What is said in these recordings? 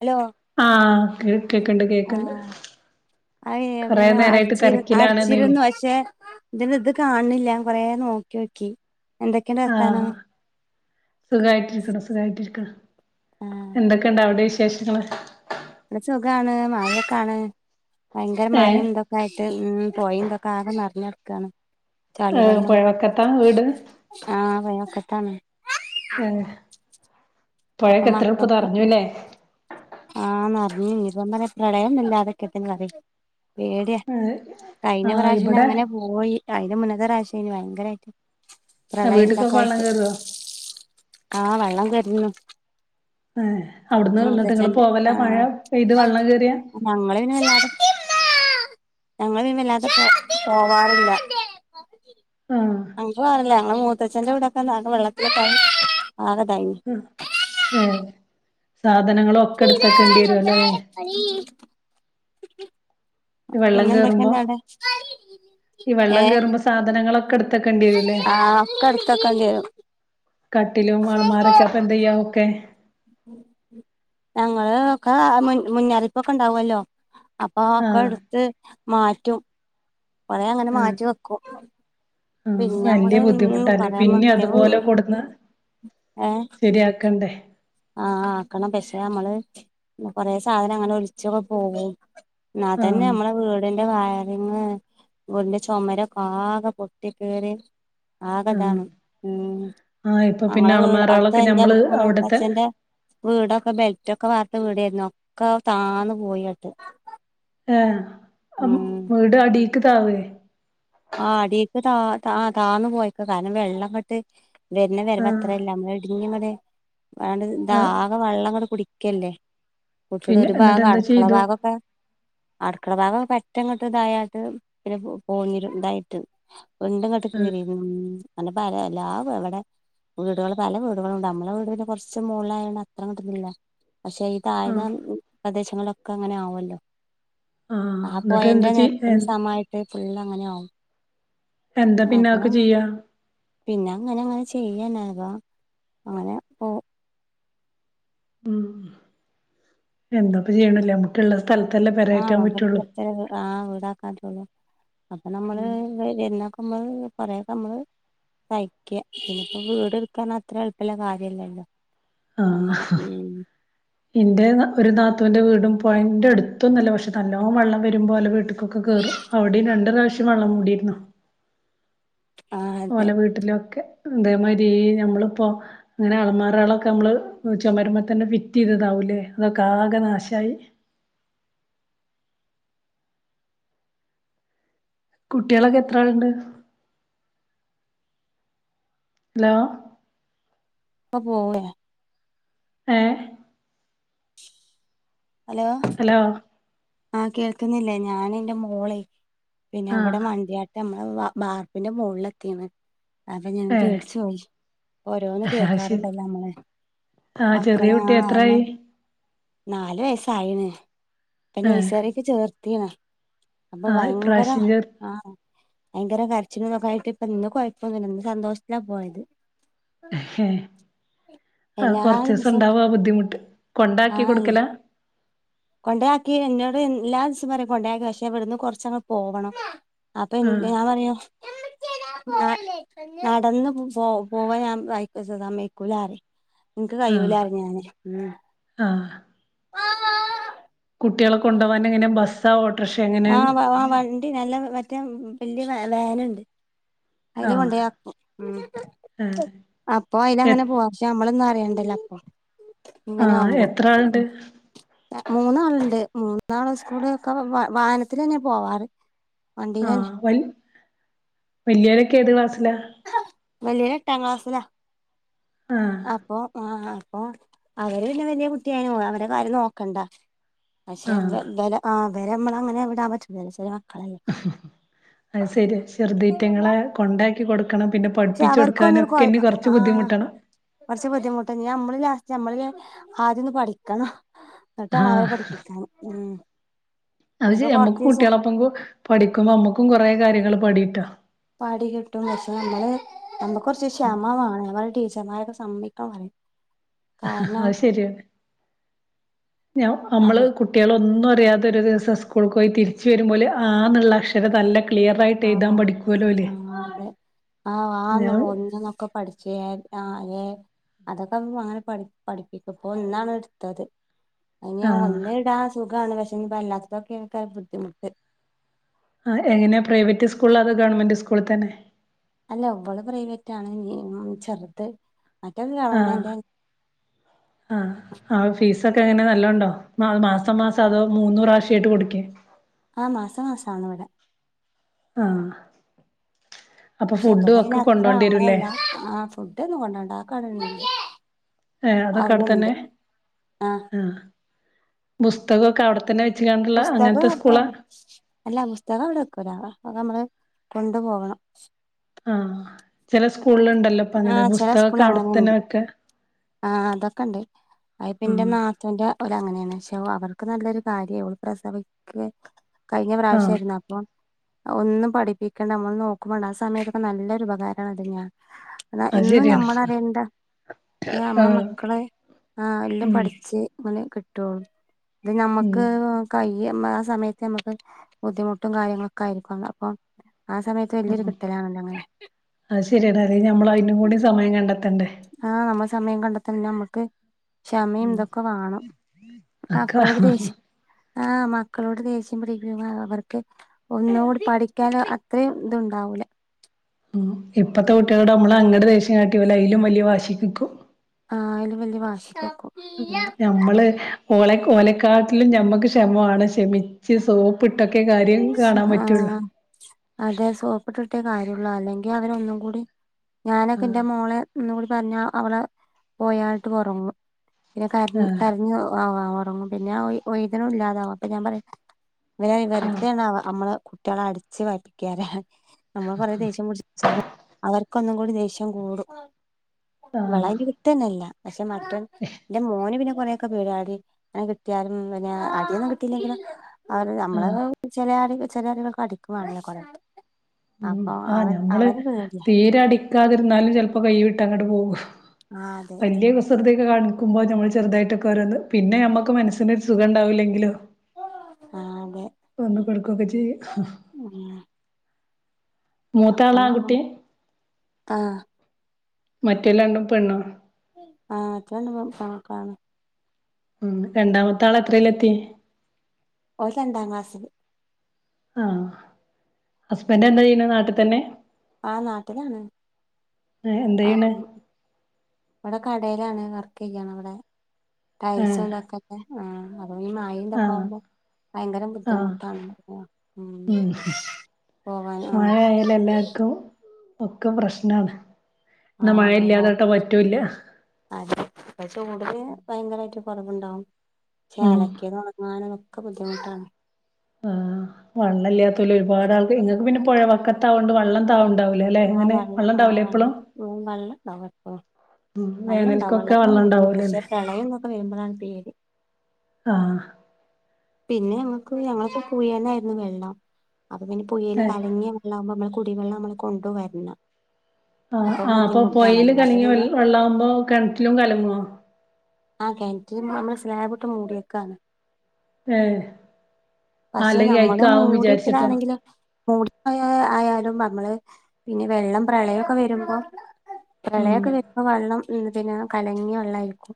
Hello ആ കേ കേക്ക്ണ്ട് കേക്ക്ണ്ട് ആഹ് അയ് കൊറേ പിന്നെ നേരായിട്ട് അട്ച്ചിര് തെരക്കിലാണ്ന്നേനി അട്ച്ചിരുന്നു പഷെ ഇതിന് ഇത് കാണില്ല ഞാൻ കൊറേ നോക്കിയോക്കി ആ സുഖായിട്ടിരിക്കിണു സുഖായിട്ടിരിക്കിണു ആഹ് എന്തൊക്കെണ്ട് അവിടെ വിശേഷങ്ങള് ഇവിടെ സുഖാണ് മയൊക്കാണ് ഭയങ്കര ഏഹ് മയം തൊക് തായിട്ട് ഉം പൊയിം തൊക്കെ ആകെ നർഞ്ഞെട്ക്കാണ് ഏ പുഴവക്കത്താ വീട് ആ പൊയവക്കത്താണ് ഏ അപ്പൊ മക്കക്ക് ആ നർഞ് ഞ്ഞിപ്പൊ ഞാൻ പറ പ്രളയൊന്നും ഇല്ലാതക്കട്ടെ ന്ന് പറിയ് പേടിയ ഏഹ് കഴിഞ്ഞ ആഹ് പ്രാവശ്യംന്നെ ഇബടെ അങ്ങനെ പോയി അയ്ന്റെ മുന്നത്തെ പ്രാവ്ശ്യയ്നു ഭയങ്കരായിറ്റ് പ്രളയം വീട്ട്ക്കൊക്കെ തൊക്കെ വെള്ളം ആയിട്ട് കേറോ ആ വെള്ളം കേറിനു ഏ അവ്ട്ന്ന് ന്നിട്ട് ങ്ങള് പോവല മഴ പെയ്ത് വെള്ളം കേറിയാ ഞങ്ങളയ്ന് വല്ലാതെ ഞങ്ങള് അയ്‌ന് വല്ലാതെ പൊ പോവാറില്ല ആഹ് അഞ്ചു ആറല്ല ഞങ്ങളെ മൂത്തച്ഛന്റവ്ടെക്കെ ആകെ വെള്ളത്തിലൊക്കായി ആകെ തായ്നി ഉം ഏ സാധനങ്ങളൊക്കെ ഇട്ത്തക്കെണ്ടി ഇതാണ് വരുല്ലോ ല്ലേ വേറെ പണി ഈ വെള്ളം കേറുമ്പോ പിന്നെന്തൊക്കെണ്ട് ആടെ ഈ ഏ വെള്ളം കേറുമ്പോ സാധനങ്ങളൊക്കെ ഇട്ത്തക്കെണ്ടി വരൂല്ലേ ആ ഒക്കെട്ത്തക്കണ്ടേരും കട്ടിലും അൾമാരൊക്കെ അപ്പൊ എന്തയ്യ ഒക്കെ ഞങ്ങള് ഒക്കെ മുൻ മുന്നറിപ്പൊക്കെ ണ്ടാവല്ലോ അപ്പൊ ഒക്കെ ആഹ് ട്ത്ത് മാറ്റും കൊറേ അങ്ങനെ മാറ്റി വെക്കും ആ പിന്നെ വല്യ നമ്മള് ഉം ബുദ്ധിമുട്ടാല്ലേ പറയാ പിന്നി പിന്നെ അതുപോലെ വീട് കൊട്ന്ന് ഏ ശരിയാക്കണ്ടേ ആ ആക്കണം പക്ഷെ അമ്മള് കൊറെ സാധനം അങ്ങനെ ഒലിച്ചൊക്കെ പോവും ന്നാതന്നെ ആഹ് നമ്മളെ വീട് ടിന്റെ വയറിങ് വീടിന്റെ ചൊമരൊക്ക ആകെ പൊട്ടി കീറി ആഹ് ആകതാണ് ഉം ആഹ് ഇപ്പൊ പിന്നെ ഞങ്ങളെ വീട് അളമാറകളൊക്കെ അട്ത്ത ന്റെ ഞമ്മള് മൂത്തച് അവിടത്തെ ന്റെ വീടൊക്കെ ബെൽറ്റൊക്കെ വാർത്ത വീടെര്ന്നു ഒക്കെ താന്ന് പോയി ആട്ട് ഏ അപ് വീട് അടീക്ക് താവേ ആ അടീക്ക് താ ആ താന്നു പൊയ്ക്ക കാരണം വെള്ളങ്ങട്ട് വര്ന വരവ് ആഹ് അത്രല്ല മ്മള് കുഞ്ഞിങ്ങട് വേണ്ട് ആഹ് താകെ വെള്ളം ങ്ങ്ട് കുടിക്കല്ലേ കുട്ടിയുടെ പിന്നെ ഒരു എന്നിട്ട് ഭാഗം എന്താ അട്ക്കള ചെയ്തു ഭാഗൊക്കെ അട്ക്കള ഭാഗം പറ്റങ്ങട്ട് ഇതായാട്ട് പിന്നെ പൊ പോന്നിരും ഇതായിട്ട് വിണ്ട് ങ്ങട്ട് കീറിക്ണ് അല്ല പറിയ എല്ലാ വ് വടെ വീടുകൾ പല വീടുകളുണ്ട് നമ്മളെ വീട് പിന്നെ കൊറച്ച് മോലായണ്ട് അത്ര കിട്ടിന്നില്ല. പക്ഷെ ഈ ആഹ് താഴ്ന്ന പ്രദേശങ്ങളൊക്കെ അങ്ങനെ ആവുല്ലോ? ആഹ് ആ എന്നിട്ട് എന്താ പോയന്റെ ചെയ് നെരപ്പില് സമായിട്ട് ഫുള് അങ്ങനെ ആവും. എന്ത പിന്നെ അപ്പൊ അതൊക്കെചെയാ. പിന്നെ അങ്ങനെ അങ്ങനെ ചെയ്യാന അങ്ങനെ പ്പോ. ഉ എന്താപ്പ ചെയ്യണ്ല്ലേ നമക്കുള്ള സ്ഥലത്തല്ലേ പെരേറ്റാൻ പറ്റുള്ളൂ. ആഹ് വീടാക്കാറ്റുള്ളു അപ്പൊ നമ്മള്. [unintelligible] കുറേ ഒക്കെ നമ്മള് സഹിക്ക പിന്നെ ഇപ്പോ വീട് എടുക്കാൻ അത്ര എളുപ്പള്ള കാര്യംല്ലല്ലോ. ആ. എന്റെ ഒരു നാത്തോന്റെ വീടും പോയിന്റെ അടുത്തൊന്നുംല്ല പക്ഷെ നല്ലോ വെള്ളം വരുമ്പോ ഓലെ വീട്ട് ക്കെ കേറും അവടിം രണ്ട് പ്രാവ്ശ്യം വെള്ളം മൂടിയിര്ന്നു. ആ അതെ ഓലെ വീട്ടിലൊക്കെ ഇതേമാരി നമ്മളിപ്പോ. അങ്ങനെ അളമാറകളൊക്കെ നമ്മൾ ചുമര് മ്മതന്നെ ഫിറ്റ് ചെയ്തതാവുല്ലേ അതൊക്കെ ആകെ നാശയി. കുട്ട്യോളൊക്കെ എത്ര ആളുണ്ട്. ഹലോ? ഇപ്പോ പോവേ. ഏ. ഹലോ? ഹലോ? ആഹ കേൾക്കുന്നില്ലേ ഞൻ എറെ മോളെ പിന്നെ ആ അവിടെ മണ്ടിയ നമ്മളെ ബാർപ്പിന്റെ മോള് ഒകൊന്. അപ്പൊ ഞാൻ ഏ പേടിചോ യിഓരോന്ന് അത് ശരി കേൾക്കാറുണ്ടല്ലോ നമ്മള്. ആ ചെറിയ മക്കള് കുട്ടി അയ്മേ എത്രായി നല് വയസായിണ്. ഇപ്പോ ഏ നെയ്സറിക്ക് ചേർതേതാ അപ്പൊ ആ ഭയങ്കര ഇപ്രാവശ്യം ചേർ ആഹ. ഭയങ്കര കരച്ചിലും ഇതൊക്കെ ആയിട്ട് ഇപ്പന്ന് കുഴപ്പൊന്നുല്ല സന്തോഷത്തിലാ പോയത്. ഹേ അത് എല്ലാ കൊറച്ചിസം ദിവസവും ഉണ്ടാവും ആ ബുദ്ധിമുട്ട് കൊണ്ടാക്കി ആ കൊടുക്കല. കൊണ്ടയാക്കി എന്നോട് എല്ലാ ദിവസവും പറയും കൊണ്ടയാക്കി പക്ഷെ ഇവടുന്ന് കൊറച്ചങ്ങങ് പോവണം. അപ്പൊ എ ആഹ് ഞാൻ പറയാ. നടന്ന് പോ പോവാൻ ഞാൻ അയിക്ക സമയക്കൂലാറിം. ഇൻക്ക് കയ്യൂല ആഹ് അറിം ഞാന് ഉം. ആഹ് കുട്ടികളെ കൊണ്ടോ വാണ് എ ങ്ങനെ ബസ്സാ ഓട്ടർഷെ. ആഹ ആ വണ്ടി നല്ല മറ്റേ വല്യ വേനണ്ട്. അതില് ആഹ് കൊണ്ടയാക്കും ആഹ് അപ്പൊ അയില് എ അങ്ങനെ പോവാ നമ്മളൊന്നും അറിയണ്ടലോ അപ്പൊ ഇങ്ങനെ ആഹ് ആവുമ്പോ. എത്ര ആളുണ്ട് മൂന്നാളുണ്ട് മൂന്നാള് സ്കൂള് ഒക്കെ വാഹനത്തിലന്നെ പോവാറ്. ആഹ വണ്ടിയിലന്നെ വ വല്യോ രൊക്കെ ഏത് ക്ലാസ്സില. വല്യോല് എട്ടാം ക്ലാസ്സിലാ. ആ. അപ്പൊ ആ അപ്പൊ അവര് പിന്നെ വലയ കുട്ടിയായ പോ അവരെ കാര്യം നോക്ക. ക്കണ്ടാ പക്ഷെ ആഹ് വ ആ വരെ മ്മള അങ്ങനെ വിടൻ പറ്റൂ. അത് ശരി ചെറുതീറ്റങ്ങളെ കൊണ്ടാക്കി കൊടു ണം പിന്നെ പക്ഷെ പഠിപ്പിച് കൊടുക്കാനും അവർക്കൊന്നൊരു കൊ ഒക്കെ കുറച്ച് ആ ബുദ്ധിമുട്ടണം. കുറച്ച് ബുദ്ധിമുട്ട നമ്മള് ലാസ്റ്റ് നമ്മള് ആദ്യംഒന്ന് പഠിക്കണം. എന്നിട്ടാണ് അവരെ ആഹ് പഠിപ്പിക്കണ് ഉം. അത് ഇനിയിപ്പോ ശരിയാ നമ്മക്ക് കൊറച്ച് ദിവസം കുട്ട്യോളോപ്പം പഠിക്കുമ്പോ അമ്മക്കും കുറേ കാര്യങ്ങള് പഠിട്ടാ. പാഠി കിട്ടും പക്ഷെ ഞമ്മള് ഞമ്മക്ക് കൊറച്ച് ക്ഷമവാണം ഞാൻ പറയും ടീച്ചർമാരൊക്കെ സമ്മതിക്കണം പറയും കാരണം അത് ശരിയാ ഞാ അവ ഞമ്മള് കുട്ട് കുട്ട്യോളൊന്നും അറിയാതൊരു ദിവസം സ്കൂള്ക്ക് പോയി തിരിച്ചു വരുമ്പോല് ആന്ന്ള്ള അക്ഷരം നല്ലെ ആഹ് ആഹ് അതെ ആഹ് വാന്നും ഞാൻ ഒന്നൂന്നൊക്കെ പഠിച്ചു പോയാല് ആഹ് ഏ അതൊക്കെ അങ്ങനെ പഠി പഠിപ്പിക്കും ഇപ്പോ ഇന്നാണ് ഇടുത്തത്. അയ്ന് ‌ഞാൻ ആഹ് ഒന്നില് ഇടാൻ സുഗാണ് പക്ഷെ ഇനി അല്ലാത്തതൊക്കായിക്കാരം ഇൻക്ക് ബുദ്ധിമുട്ട്. ആഹ് എങ്ങനാ പ്രൈവറ്റ് സ്കൂളാ അതോ ഗവൺമെന്റ് സ്കൂള് തന്നെ? അല്ല ഇവള് പ്രൈവറ്റ് ആണ് ഇനി ഉം ചെറുത് മറ്റോരു ആഹ് ഗവൺമെന്റാ ആഹ്. ആഹ് ഫീസൊക്കെ എങ്ങനെ നല്ലോണ്ടോ മാസം മാസം അതോ മൂന്ന് പ്രാവിശ്യായിട്ട് കൊടുക്കേ? ആഹ് മാസ മാസ ആണ് ഇവടെ. ആഹ് അപ്പൊ പക്ഷെ ഇവിടെ ഫുഡും അയിന് ഒക്കെ അത്ര കൊണ്ടോണ്ടി വരൂല്ലേ അമ്മളെല്ലാ ആഹ് ഫുഡ് ഒന്നും കൊണ്ടോണ്ടാ ആക്കെ ആടെണ്ട്. ഏഹ് അതൊക്കെ ആട്ത്തന്നെ ആഹ് ബുസ്തകൊക്കെ അവിടെത്തന്നെ വി ച്ച്ങ്ങാണ്ട്ള്ള അങ്ങൻത്തെ സ്കൂളാ? അല്ലാ പുസ്തകം [unintelligible] ആക്കെ അമ്മള് കൊണ്ടു പോകണം. ആഹ് ചെല സ്കൂളില് ഇണ്ടല്ലോ ഇപ്പൊ അങ്ങനെ ആഹ് ചെല പുസ്തകൊക്കെ സ്കൂളിൽ അങ്ങനെയുണ്ട് അവ്ട്ത്തന്നെ വെക്കാ. ആഹ് അതൊക്കെണ്ട് അത്പ്പം ആഹ് ഇന്റെ നാ ത്തൂന്റെ ഓല് അങ്ങനെയാണ് പക്ഷെ അവർക്ക് നല്ലൊരു കാര്യാ ഓള് പ്രസവിക്കാ കയ്ഞ്ഞ ആഹ് പ്രാവശ്യരുന്നു അപ്പം ഒന്നും പഠിപ്പിക്കേണ്ട നമ്മൾ നോക്കും വേണ്ട ആ സമയത്തൊക്കെ നല്ലൊരു ഉപകാരണ് അത് ഞാ അതാ അത് എന്നും ശരിയാണ് ഞമ്മളറിയണ്ട [unintelligible] ഞമ്മള ആഹ് മക്കളെ ആഹ് എല്ലും ഉം പഠിച്ച് ഇങ്ങനെ കിട്ടോള്ളു. അത് ഉം ഞമ്മക്ക് [unintelligible] ആ സമയത്ത് ഞമ്മക്ക് ബുദ്ധിമുട്ടും കാര്യങ്ങളൊക്കെ ആയിരിക്കല്ലോ അപ്പൊ ആ സമയത്ത് ത്ത് വെല്ല്യൊരു കിട്ടലാണല്ലോ അങ്ങനെ അത് ശരിയാടാ അല്ലെ ഞമ്മള് അയ്നും കൂടി സമയം കണ്ടെത്തേണ്ടേ? ആഹ് നമ്മള് സമയം കണ്ടെത്തെണം ഞമ്മക്ക് ക്ഷമയും ഇതൊക്കെ വാണം അക്കെ മക്കളോട് വേണം ദേഷ്യ ആഹ് മക്കളോട് ദേഷ്യം പിടിക്കുമ്പോ അവർക്ക് ഒന്നോട് പഠിക്കാന് അത്രേം ഇത്ണ്ടാവൂലാ ഉം ഇപ്പത്തെ കുട്യോളോട് അമ്മള് അങ്ങട് ദേഷ്യം കാട്ട്യാ ഓല് അയ്ലും വെല്ല്യ വാശിക്ക് നിക്കും. ആഹ് അയ്ലും വെല്ല്യ വാശിക്ക് നിക്കും. ഞമ്മള് ഓളെ ഓലെക്കാട്ടിലും ഞമ്മക്ക് ക്ഷമവാണം ക്ഷമിച്ച് സോ പ്പ്ട്ടൊക്കെ കാര്യം കാണാൻ പറ്റുള്ളൂ. ആഹ് അതെ സോപ്പിട്ട്ട്ടെ കാര്യള്ളൂ അല്ലെങ്കി അവര് ഒന്നും കൂടി ഞാനൊക്കെ ഇന്റെ ആഹ് മോളെ ഒന്ന് കൂടി പറഞ്ഞാ അവളാ പോയാട്ട് ഒറങ്ങു. പിന്നെ കരഞ്ഞു ആഹ് കരഞ്ഞ് ആഹ് ഒറങ്ങും പിന്നെ ആ ഒയ്ത്ണോ ഇല്ലാതാവു അപ്പൊ ഞാ പറയു ഇവരെ ആഹ് വെറുതെ ആണ് അമ്മള് കുട്ട്യേളെ അടിച്ച് വയ്‌പ്പിക്കാര അമ്മള് കൊറേ ദേഷ്യം പിടിച്ച് [unintelligible] അവർക്കൊന്നും കൂടി ദേഷ്യം കൂടും ആഹ് ഇവളയ്ന് കിട്ടന്നെല്ലാ പഷെ മറ്റോൻ ഇന്റെ മോന് പിന്നെ കൊറെ ഒക്കെ പേട്യാടി അങ്ങനെ കിട്ട്യാലും പിന്നെ അടി ഒന്നും കിട്ടീല്ലെങ്കിലു ഓര് നമ്മളെ ആഹ് ചെല ആള്കൾ ചേലോരോക്കെ അടിക്കുവാണല്ലോ കൊറെ മ് അപ്പൊ ആഹ അവൻ ഞമ്മള് അവന് പേടിയാ തീരടി കാത് കൃതിക്കെ ആഹ് അതെ കാണുമ്പോ ഞമ്മള് ചെറുതായിട്ടൊക്കെ ഓരോന്ന് പിന്നെ ഞമ്മക്ക് മനസിന് ഒരു സുഖ ണ്ടാവുല്ലെങ്കിലു ആഹ തെ. ഒന്ന് കൊടുക്കുക്കെ ചെയ്യു ഹ് ഹ്. അപ്പ ന്നമ്മ ആഹ മറ്റൊല്ലണ്ടും പെണ്ണോ? [unintelligible] കാണ്. ഉം രണ്ടാമത്തെ ആള് എത്രേല് എത്തി? ഓ ൻരണ്ടാ ക്ലാസില്. ആഹ ഹസ്ബൻറ് എന്താ യ്യ്ണെ നാട്ട് തന്നെ? ആ നാട്ടിലാണ്. ഏഹ് എന്താ ആ ചെയ്യണെ? ഇവടെ കടെലാണ് വർക്ക് യ്യാണ് വടെ. ടൈൽസ് ഏഹ് ഇതൊക്കെല്ലെ, ആ അപ്പൊ ഈ മഴ ഒക്കെ ആഹ് ഉണ്ടാവുമ്പോ. ഭയങ്കര ആഹ് ബുദ്ധിമുട്ടാണ് ഉം പോവാന്. ആ എല്ലാവർക്കും ഒക്കെ പ്രശ്നാണ്. ആ എന്നാ മഴ ഇല്ലാ അതെല്ലാ തൊട്ട് പറ്റൂല്ല അതെ. ഇപ്പം ചൂട് ഭയങ്കരായിട്ട് കുറവുണ്ടാവും. ഉം അലക്കിയത് ഉണങ്ങാനും, അതൊക്കെ ബുദ്ധിമുട്ടാണ്. ആഹ് വെള്ളമില്ലാത്തോല് ഒരുപാട് ആളുകൾ, ഇങ്ങൾക്ക് പിന്നെ പുഴ വക്കത്തായോണ്ട്, വെള്ളം താഴ് ണ്ടാവുല്. ആ വെള്ളം ആ വെള്ളം വെള്ളംഉണ്ടാവും എപ്പോഴും. ഉം വെള്ളം ഉണ്ടാവും, വേനൽക്കൊക്കെ വെള്ളം വെള്ളത്തിനൊന്നും ബുദ്ധിമുട്ടില്ല. പക്ഷേ ഉണ്ടാവൂലല്ലേ പ്രളയം ഒക്കെ വരുമ്പോഴാണ് പേടി. ആഹ്. പിന്നെ ഞങ്ങക്ക്. ഞങ്ങക്കി പുഴന്നായിരുന്നു വെള്ളം. അത് പിന്നെ പുഴ ഏഹ് ല്കലങ്ങിയ അതാവുമ്പനമ്മള് കുടിവെള്ളം നമ്മൾ കൊണ്ടുവരണം ആ അപ്പം ആ് അപ്പൊ പുഴയിൽ ബുദ്ധിമുട്ടാണല്ലോ അപ്പൊ കലങ്ങിയ പിന്നെ വെള്ളാകുമ്പോൾ കിണറ്റിലും കലങ്ങോ ആ കിണറ്റിന് നമ്മള് സ്ലാബ് ഇട്ട് മൂടിയിരിക്കയാണ്. ആഹ് പക്ഷെ അല്ലെങ്കി നമ്മള് അയിക്കാവും വിചാരിച്ചിട്ടോ മൂടിയിട്ടതാണെങ്കിലോ മൂടി വെച്ചതായാലും നമ്മള് പിന്നെ വെള്ളം പ്രളയമൊക്കെ വരുമ്പോ ഉം പ്രളയൊക്കെ വരുമ്പോ വെള്ളം എന്താ പിന്നെ കലങ്ങിയ വെള്ളായിരിക്കും.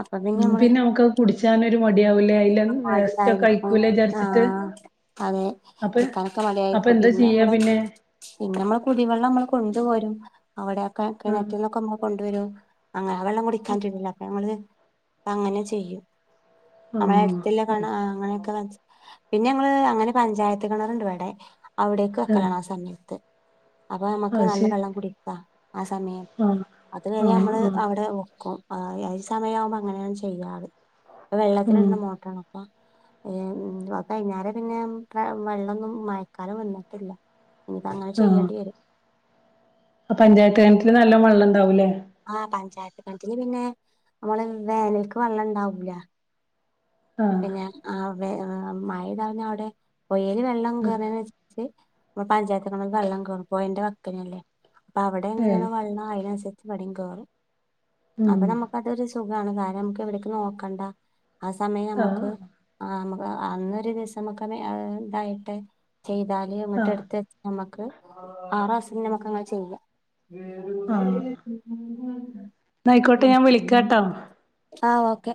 അപ്പൊ ഉം. നമ്മള് പിന്നെ നമുക്ക്ത് കുടിച്ചാനൊരു മടിയാവില്ലേ. അതിലെ മടിയായിരിക്കും. ആഹ്. അതെ അപ്പൊ എടുക്കാനൊക്കെ അപ്പൊ മടിയായിരിക്കും. എന്താ പിന്നെ ചെയ്യാ നമ്മള് പിന്നെ പിന്നെ നമ്മള് കുടിവെള്ളം നമ്മൾ കൊണ്ടുവരും. അവിടെക്കെ ആഹ് കിണറ്റിൽ നിന്നൊക്കെ നമ്മൾ കൊണ്ടു വരും അങ്ങനെ. ആ വെള്ളം കുടിക്കാൻ പറ്റില്ല. അപ്പൊ ഞങ്ങള് അങ്ങനെ ചെയ്യും. ഓ.... ഇല്ല. കനാ.. ആ അങ്ങനെയൊക്കെ. പിന്നെ ഞങ്ങള് അങ്ങനെ പഞ്ചായത്ത് കിണറുണ്ട് ഇവിടെ. അവിടേക്ക് ആഹ് വെക്കലാണ് ആ സമയത്ത്. അപ്പൊ നമുക്ക് അത് നല്ല ശരി വെള്ളം കുടിക്കാം ആ സമയം ആഹ് അതു കഴിഞ്ഞാ ആഹ് നമ്മള് ആഹ് അവിടെ വെക്കും. ആ സമയ ആവുമ്പോ അങ്ങനെയാണ് ചെയ്യാറ്. അത് ഉം വെള്ളത്തിലിടുന്ന മോട്ടോറാണ്, അപ്പൊ. കഴിഞ്ഞേര പിന്നെ വെള്ളമൊന്നും മഴക്കാലം വന്നിട്ടില്ല. ഇനിപ്പം അങ്ങനെ ചെയ്യേണ്ടി വരും ഇപ്പം പഞ്ചായത്ത് കിണറ്റില് നല്ല വെള്ളം ഉണ്ടാവൂലേ. ആ പഞ്ചായത്ത് കിണറ്റിൽ പിന്നെ നമ്മള് വേനൽക്ക് വെള്ളം ഇണ്ടാവൂല്ല. ആഹ് പിന്നെ ആ മഴന്ന് പറഞ്ഞ അവിടെ പുഴയിൽ വെള്ളം കേറിന്ന് പഞ്ചായത്ത് കിണറിലുംവെള്ളം കേറും. പുഴയിൻ്റെ വക്കിനല്ലേ. അപ്പ അവിടെ ഏഹ് എങ്ങനെയാണോ വെള്ളം അതിനനുസരിച്ച് ഇവടിം കേറും അപ്പൊ ഉം നമുക്ക് അതൊരു സുഖാണ്. കാരണം നമുക്ക് എവിടെക്കും നോക്കണ്ട. ആ സമയം ആഹ് നമക്ക് ആഹ് നമുക്ക് അന്നൊരു ദിവസം നമുക്ക് ഇതായിട്ട് ചെയ്താല് ഇങ്ങട്ട് ആഹ് എട്ത്ത് നമ്മക്ക് ആറാസ ഞമക്കങ്ങനെ ചെയ്യ വെറുതേ ആഹ് ന്നാ ആയിക്കോട്ടെ ഉം ഞാൻ വിളിക്കാട്ടോ ആഹ് ഓക്കെ